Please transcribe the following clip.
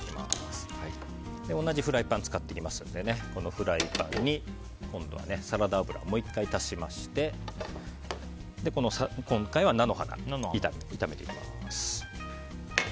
同じフライパンを使っていきますのでこのフライパンに今度はサラダ油をもう１回足しまして今回は菜の花を炒めていきます。